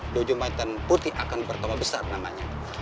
dojo macan putih akan bertama besar namanya